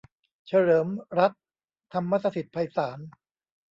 เฉลิมรัตน์ ธรรมสถิตไพศาล